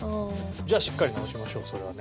じゃあしっかり直しましょうそれはね。